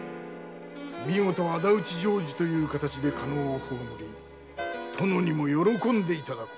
見事仇討ち成就という形で加納を葬り殿にも喜んでいただこう。